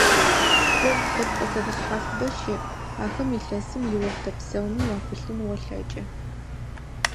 Спорт лъэпкъ зэфэшъхьафыбэ щыӀ, ахэм илъэсым иохътэ пстэуми уапылъын олъэкӀы.